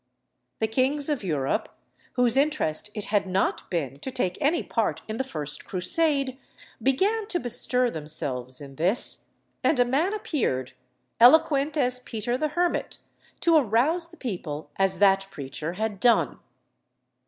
The kings of Europe, whose interest it had not been to take any part in the first Crusade, began to bestir themselves in this; and a man appeared, eloquent as Peter the Hermit, to arouse the people as that preacher had done.